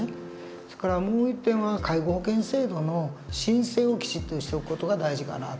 それからもう一点は介護保険制度の申請をきちっとしておく事が大事かなと。